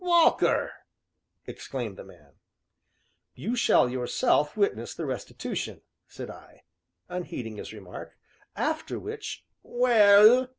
"Walker!" exclaimed the man. "You shall yourself witness the restitution," said I, unheeding his remark, "after which " "Well!"